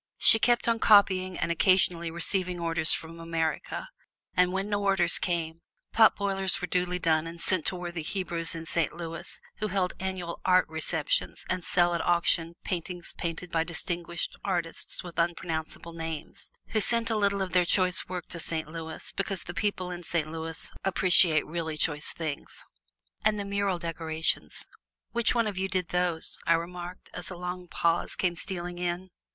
She kept on copying and occasionally receiving orders from America; and when no orders came, potboilers were duly done and sent to worthy Hebrews in Saint Louis who hold annual Art Receptions and sell at auction paintings painted by distinguished artists with unpronounceable names, who send a little of their choice work to Saint Louis, because the people in Saint Louis appreciate really choice things. "And the mural decorations which one of you did those?" I remarked, as a long pause came stealing in.